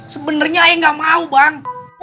sebenernya ayah gak mau bang